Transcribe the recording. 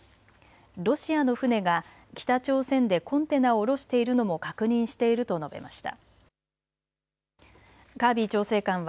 ロシアの船が北朝鮮でコンテナを降ろしているのも確認していると述べました。